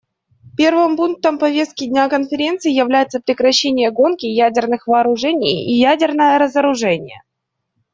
Первым пунктом повестки дня Конференции является прекращение гонки ядерных вооружений и ядерное разоружение.